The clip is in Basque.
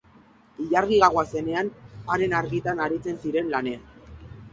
Ilargi-gaua zenean, haren argitan aritzen ziren lanean.